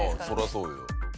それはそうよ。